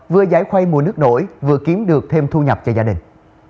vừa giải khoay mùa nước nổi vừa kiếm được thêm thu nhập cho gia đình